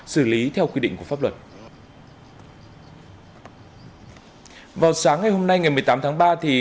xử lý theo quy định của pháp luật